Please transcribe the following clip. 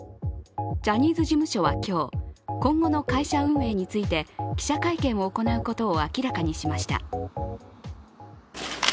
ジャニーズ事務所は今日、今後の会社運営について記者会見を行うことを明らかにしました。